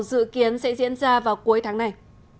dự kiến sẽ diễn ra vào cuối tháng này